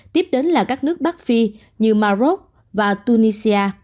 tiếp đến là các nước bắc phi như maroc và tunicia